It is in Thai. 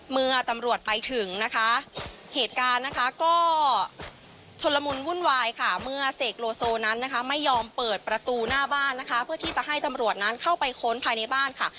เมื่อตำรวจไปถึงนะคะเหตุการณ์นะคะก็ชนละมุนวุ่นวายค่ะเมื่อเสกโลโซนั้นนะคะไม่ยอมเปิดประตูหน้าบ้านนะคะเพื่อที่จะให้ตำรวจนั้นเข้าไปค้นภายในบ้านค่ะ